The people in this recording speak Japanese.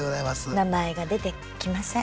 名前が出てきません。